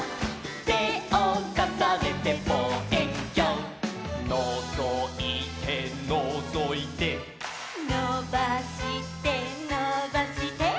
「てをかさねてぼうえんきょう」「のぞいてのぞいて」「のばしてのばして」